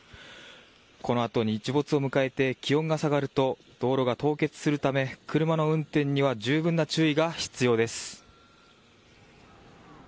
このあと日没を迎えて気温が下がると道路が凍結するため車の運転には十分な注意が必要です。